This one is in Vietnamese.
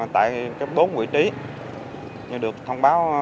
tại bốn vị trí như được thông báo